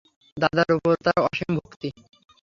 দাদার উপর তার অসীম ভক্তি।